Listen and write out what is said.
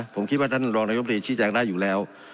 ผมคิดว่าท่านรองนายมตรีชี้แจงได้อยู่แล้ว